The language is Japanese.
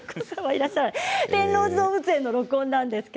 天王寺動物園での録音です。